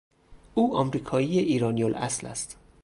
او امریکایی ایرانیالاصل است.